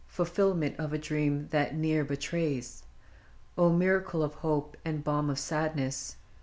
Fulfillment of a dream that ne'er betrays ! miracle of hope, and balm of sadness